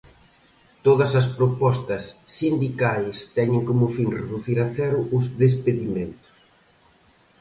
Todas as propostas sindicais teñen como fin reducir a cero os despedimentos.